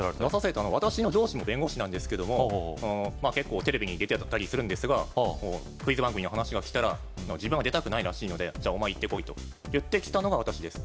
私の上司も弁護士なんですけども結構テレビに出てたりするんですがクイズ番組の話がきたら自分は出たくないらしいのでお前行ってこいといって来たのが私です